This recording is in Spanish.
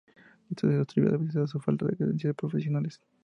Esto se atribuye a veces a su falta de credenciales profesionales.